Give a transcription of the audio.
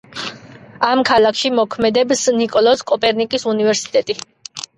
ამ ქალაქში მოქმედებს ნიკოლოზ კოპერნიკის უნივერსიტეტი.